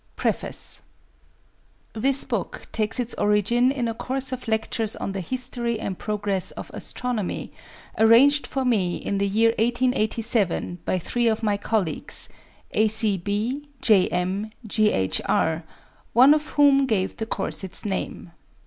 PREFACE This book takes its origin in a course of lectures on the history and progress of Astronomy arranged for me in the year 1887 by three of my colleagues (A.C.B., J.M., G.H.R.), one of whom gave the course its name.